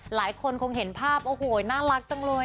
หลายคนคงเห็นภาพโอ้โหน่ารักจังเลย